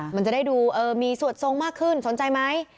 มันจะได้ดูมีสวดทรงมากขึ้นสนใจไหม